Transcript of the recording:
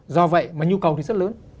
do vậy mà nhu cầu thì rất lớn